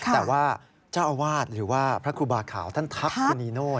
แต่ว่าเจ้าอาวาสหรือว่าพระครูบาขาวท่านทักคุณนีโนธ